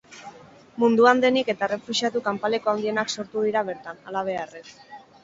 Munduan denik eta errefuxiatu kanpaleku handienak sortu dira bertan, halabeharrez.